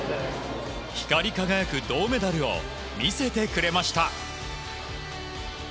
光り輝く銅メダルを見せてくれました。